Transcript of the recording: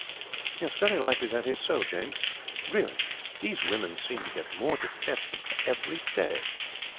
"Very likely that is so James. Really these women seem to get more detestable every day."